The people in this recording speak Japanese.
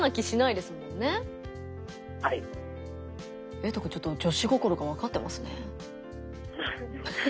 えいとくんちょっと女子心が分かってますね。